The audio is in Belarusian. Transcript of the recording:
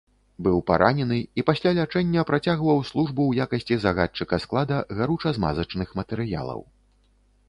Быў паранены і пасля лячэння працягваў службу ў якасці загадчыка склада гаруча-змазачных матэрыялаў.